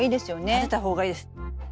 立てた方がいいです。